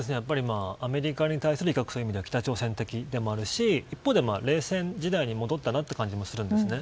アメリカに対する威嚇という意味では北朝鮮的でもあるし一方で冷戦時代に戻ったなという感じもするんですね。